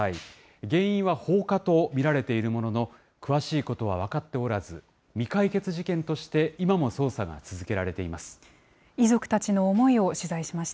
原因は放火と見られているものの、詳しいことは分かっておらず、未解決事件として今も捜査が続けられています。